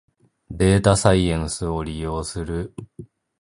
データサイエンスを利用する